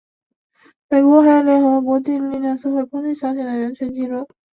美国还联合国际社会力量抨击朝鲜的人权纪录。